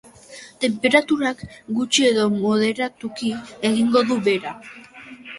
Tenperaturak gutxi edo moderatuki egingo du behera.